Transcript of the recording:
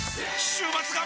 週末が！！